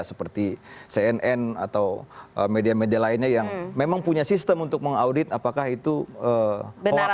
seperti cnn atau media media lainnya yang memang punya sistem untuk mengaudit apakah itu hoax